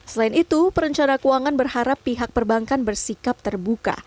selain itu perencana keuangan berharap pihak perbankan bersikap terbuka